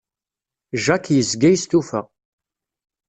Jacques yezga yestufa.